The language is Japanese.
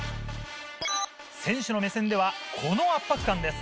選手の目線ではこの圧迫感です。